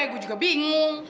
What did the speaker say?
gue juga bingung